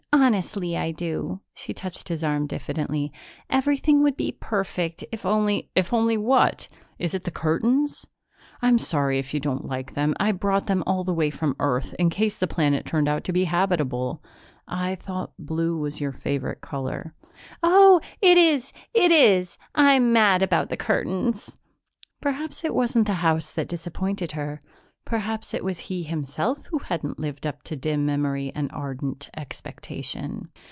Honestly I do." She touched his arm diffidently. "Everything would be perfect if only " "If only what? Is it the curtains? I'm sorry if you don't like them. I brought them all the way from Earth in case the planet turned out to be habitable. I thought blue was your favorite color." "Oh, it is, it is! I'm mad about the curtains." Perhaps it wasn't the house that disappointed her; perhaps it was he himself who hadn't lived up to dim memory and ardent expectation.